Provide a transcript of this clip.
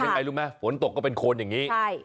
ยังไงรู้ไหมฝนตกก็เป็นโคนอย่างนี้